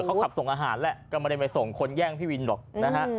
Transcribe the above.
เขาขับส่งอาหารละก้ามาเลยมาส่งคนแย่งพี่วินละ